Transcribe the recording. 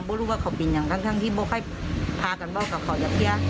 ไม่รู้ว่าเขาเป็นอย่างทั้งที่ไม่ค่อยพากันบ้างกับเขาอย่างเที่ยว